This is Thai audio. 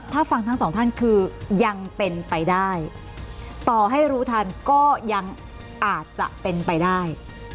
ถ้าฟังทั้งสองท่านคือยังเป็นไปได้ต่อให้รู้ทันก็ยังอาจจะเป็นไปได้